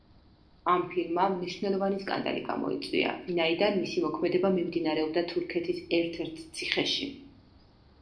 ამ ფილმმა მნიშვნელოვანი სკანდალი გამოიწვია, ვინაიდან მისი მოქმედება მიმდინარეობდა თურქეთის ერთ-ერთ ციხეში.